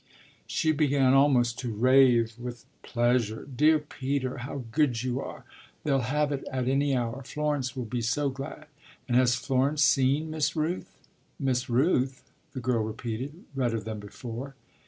She began almost to rave with pleasure. "Dear Peter, how good you are! They'll have it at any hour. Florence will be so glad." "And has Florence seen Miss Rooth?" "Miss Rooth?" the girl repeated, redder than before.